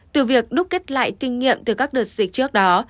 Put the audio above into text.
từ việc đúc kết lại kinh nghiệm từ các đợt dịch trước đó